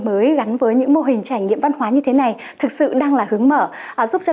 mới gắn với những mô hình trải nghiệm văn hóa như thế này thực sự đang là hướng mở giúp cho